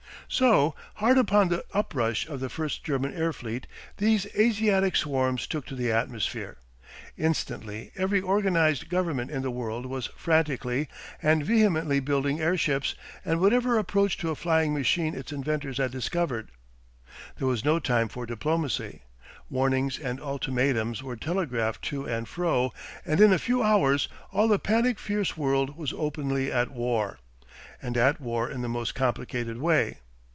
So, hard upon the uprush of the first German air fleet, these Asiatic swarms took to the atmosphere. Instantly every organised Government in the world was frantically and vehemently building airships and whatever approach to a flying machine its inventors' had discovered. There was no time for diplomacy. Warnings and ultimatums were telegraphed to and fro, and in a few hours all the panic fierce world was openly at war, and at war in the most complicated way.